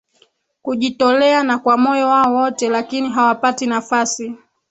kujitolea na kwa moyo wao wote lakini hawapati nafasi